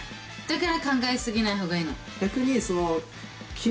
だから考え過ぎない方がいいの。